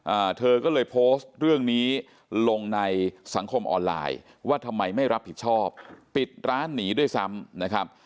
อ่าเธอก็เลยโพสต์เรื่องนี้ลงในสังคมออนไลน์ว่าทำไมไม่รับผิดชอบปิดร้านหนีด้วยซ้ำนะครับ